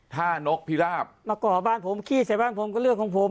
นกพิราบมาก่อบ้านผมขี้ใส่บ้านผมก็เรื่องของผม